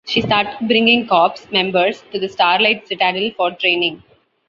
She started bringing Corps members to the Starlight Citadel for training.